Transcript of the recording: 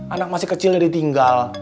anak masih kecil jadi tinggal